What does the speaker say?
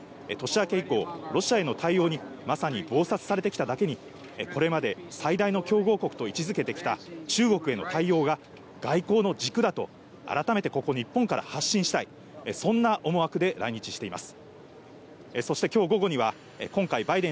バイデン大統領としては、年明け以降、ロシアへの対応に、まさに忙殺されてきただけに、これまで最大の競合国と位置付けてきた中国への対応が、外交の軸だと改めてここ日本から発信したい、そんな思惑で来日しています。